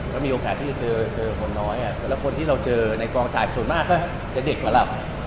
ก็มีโอกาสที่จะเจอคนน้อยแต่ละคนที่เราเจอในกองถ่ายส่วนมากก็จะเด็กมาหลับ